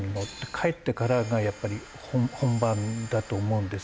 帰ってからがやっぱり本番だと思うんです。